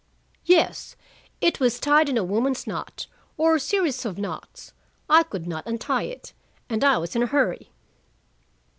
"Yes. It was tied in a woman's knot, or series of knots. I could not untie it, and I was in a hurry."